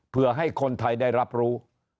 เพื่อให้คนไทยได้รับรู้